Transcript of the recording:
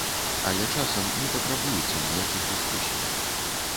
Але часам не патрабуецца ніякіх дыскусій.